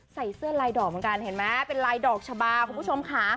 ใส่เสื้อลายดอกเหมือนกันเห็นไหมเป็นลายดอกชะบาคุณผู้ชมค่ะ